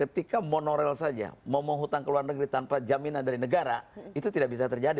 ketika monoral saja mau menghutang ke luar negeri tanpa jaminan dari negara itu tidak bisa terjadi